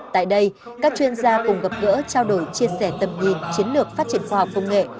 tại đây các chuyên gia cùng gặp gỡ trao đổi chia sẻ tầm nhìn chiến lược phát triển khoa học công nghệ